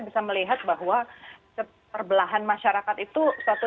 dengan kalangan kalangan african american begitu mbak dina